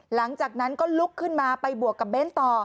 หลังจากนั้นก็ลุกขึ้นมาไปบวกกับเบ้นต่อ